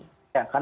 ya karena memang